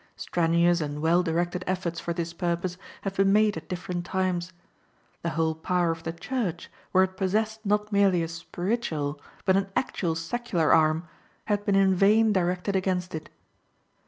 Strenuous and well directed efforts for this purpose have been made at different times. The whole power of the Church, where it possessed not merely a spiritual, but an actual secular arm, has been in vain directed against it.